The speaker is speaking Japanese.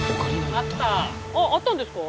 ああったんですか？